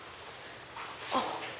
あっ！